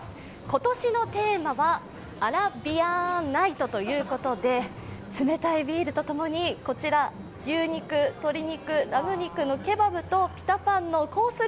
今年のテーマは、アラビアンナイトということで冷たいビールとともに、牛肉、鶏肉、ラム肉のケバブとピタパンのコース